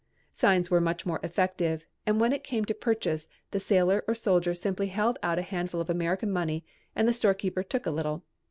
Signs were much more effective and when it came to purchase, the sailor or soldier simply held out a handful of American money and the storekeeper took a little.